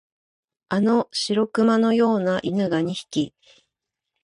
あの白熊のような犬が二匹、